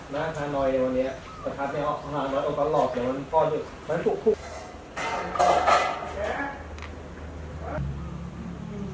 อยู่ไปเดียว